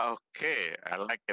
oke saya suka